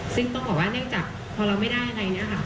ซึ่งต้องบอกว่าเนื่องจากพอเราไม่ได้อะไรอย่างนี้ค่ะ